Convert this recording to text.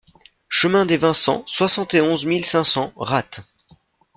Chemin des Vincents, soixante et onze mille cinq cents Ratte